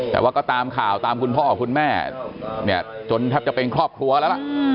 แต่ว่าก็ตามข่าวตามคุณพ่อคุณแม่เนี่ยจนแทบจะเป็นครอบครัวแล้วล่ะ